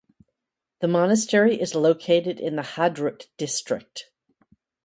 The monastery is located in the Hadrut District.